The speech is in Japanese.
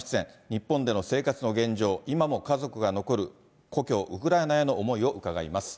日本での生活の現状、今も家族が残る故郷ウクライナへの思いを伺います。